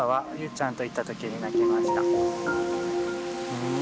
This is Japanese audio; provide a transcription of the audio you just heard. うん？